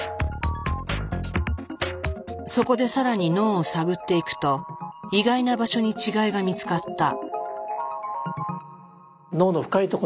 そこで更に脳を探っていくと意外な場所に違いが見つかった。